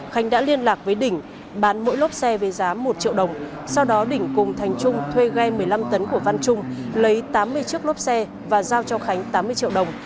khánh đã liên lạc với đỉnh bán mỗi lốp xe với giá một triệu đồng sau đó đỉnh cùng thành trung thuê ghe một mươi năm tấn của văn trung lấy tám mươi chiếc lốp xe và giao cho khánh tám mươi triệu đồng